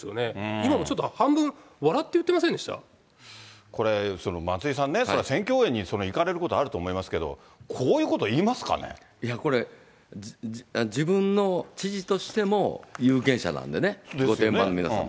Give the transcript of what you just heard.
今もちょっと半分、笑って言ってこれ、松井さんね、選挙応援に行かれることあると思いますけれども、こういうこと言いますかいや、これ、自分の知事としても有権者なんでね、御殿場の皆さん。